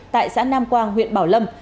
tại xã nam quang huyện bảo lâm